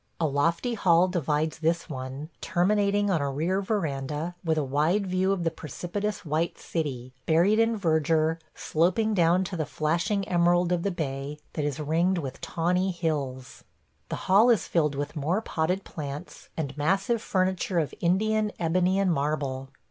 A lofty hall divides this one, terminating on a rear veranda, with a wide view of the precipitous white city, buried in verdure, sloping down to the flashing emerald of the bay, that is ringed with tawny hills. The hall is filled with more potted plants, and massive furniture of Indian ebony and marble.